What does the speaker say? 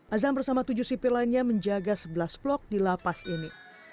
azam bersama tujuh sipil lainnya menjaga sebelas blok di lapas ini